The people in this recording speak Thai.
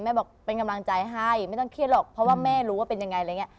บอกเป็นกำลังใจให้ไม่ต้องเครียดหรอกเพราะว่าแม่รู้ว่าเป็นยังไงอะไรอย่างนี้